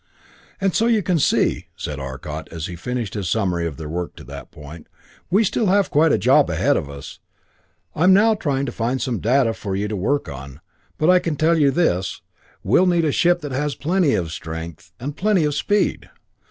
"And so you can see," said Arcot as he finished his summary of their work to that point, "we still have quite a job ahead of us. I'm now trying to find some data for you to work on, but I can tell you this: We'll need a ship that has plenty of strength and plenty of speed.